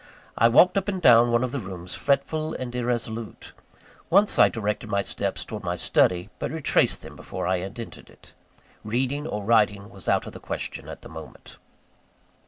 I walked up and down one of the rooms, fretful and irresolute. Once I directed my steps towards my study; but retraced them before I had entered it. Reading or writing was out of the question at that moment.